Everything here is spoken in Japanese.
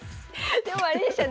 でもあれでしたね